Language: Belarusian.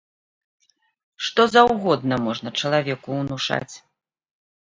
Што заўгодна можна чалавеку ўнушаць.